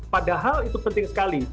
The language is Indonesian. padahal itu penting sekali